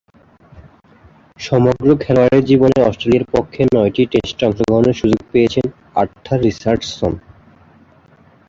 সমগ্র খেলোয়াড়ী জীবনে অস্ট্রেলিয়ার পক্ষে নয়টি টেস্টে অংশগ্রহণের সুযোগ পেয়েছেন আর্থার রিচার্ডসন।